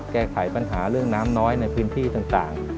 แก้ไขปัญหาเรื่องน้ำน้อยในพื้นที่ต่าง